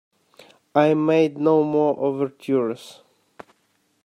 I made no more overtures.